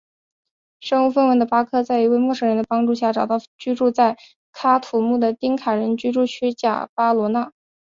身无分文的巴克在一位陌生人的帮助下找到了居住在喀土穆的丁卡人聚居区贾巴罗纳。